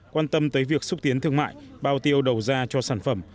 quan tâm tới việc xúc tiến thương mại bao tiêu đầu ra cho sản phẩm